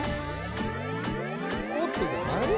スポットじゃないの？